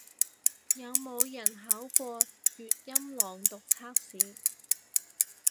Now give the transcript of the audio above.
有冇人考過粵音朗讀測試